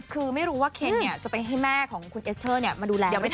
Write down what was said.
คือไม่รู้ว่าเคนจะไปให้แม่ของคุณเอสเตอร์มาดูแล